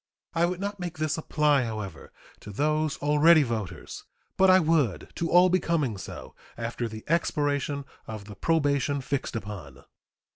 I would not make this apply, however, to those already voters, but I would to all becoming so after the expiration of the probation fixed upon.